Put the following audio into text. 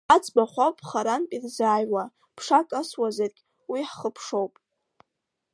Ҳаӡбахә ауп харантә ирзааҩуа, ԥшак асуазаргь уи ҳхыԥшоуп!